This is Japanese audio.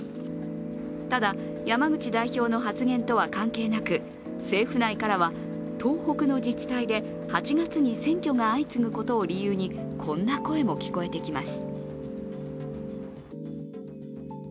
ただ、山口代表の発言とは関係なく政府内からは、東北の自治体で８月に選挙が相次ぐことを理由にこんな声も聞こえてきます。